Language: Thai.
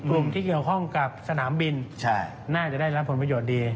กลุ่มที่เกี่ยวข้องกับสนามบินน่าจะได้รับผลประโยชน์ดี